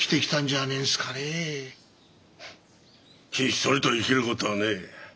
ひっそりと生きる事はねえ。